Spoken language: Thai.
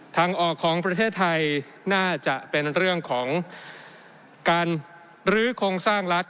ทางออกของประเทศไทยน่าจะเป็นเรื่องของการลื้อโครงสร้างรัฐ